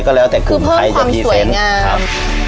ก็แล้วแต่กลุ่มใครจะพรีเซนต์คือเพิ่มความสวยงาม